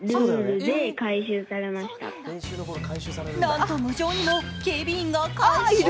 なんと無情にも、警備員が回収。